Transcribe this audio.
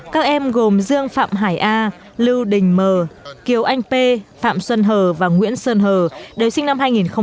các em gồm dương phạm hải a lưu đình m kiều anh p phạm xuân hờ và nguyễn xuân hờ đời sinh năm hai nghìn một mươi một